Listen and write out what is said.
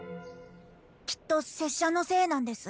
きっと拙者のせいなんです。